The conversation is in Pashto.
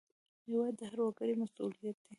هېواد د هر وګړي مسوولیت دی.